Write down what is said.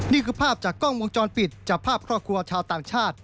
นี่คือภาพจากกล้องวงจรปิดจับภาพครอบครัวชาวต่างชาติ